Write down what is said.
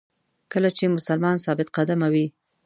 کله چې مسلمان ثابت قدمه وي.